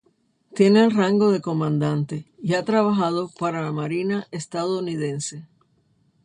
Tiene el rango de comandante, y ha trabajado para la Marina Estadounidense.